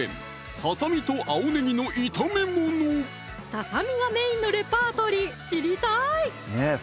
ささみがメインのレパートリー知りたい